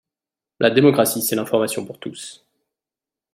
La démocratie c’est l’information pour tous.